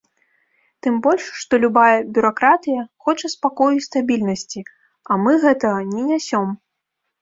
Тым больш, што любая бюракратыя хоча спакою і стабільнасці, а мы гэтага не нясём.